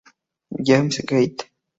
James's Gate.